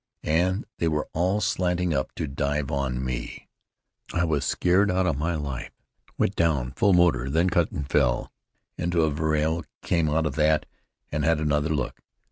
And they were all slanting up to dive on me. I was scared out of my life: went down full motor, then cut and fell into a vrille. Came out of that and had another look.